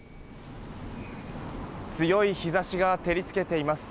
強い日差しが照り付けています。